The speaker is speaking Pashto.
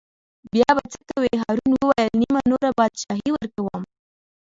بیا به څه کوې هارون وویل: نیمه نوره بادشاهي ورکووم.